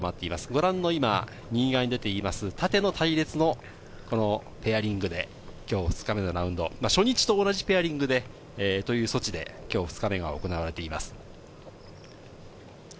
ご覧の右側に出ています、縦の隊列のペアリングで今日、２日目のラウンド、初日と同じペアリングでという措置で、今日２日目が行われています。